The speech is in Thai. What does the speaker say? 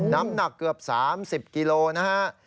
น้ำหนักเกือบ๓๐กิโลนะฮะ